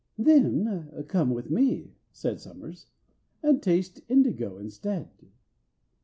"Then come with me," said SOMERS, "and taste indigo instead."